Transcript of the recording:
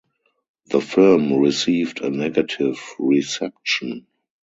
The film received a negative reception.